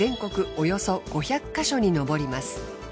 およそ５００ヵ所にのぼります。